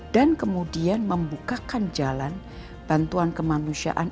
dan kemudian membukakan jalan bantuan kemanusiaan